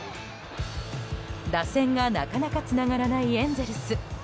打線がなかなかつながらないエンゼルス。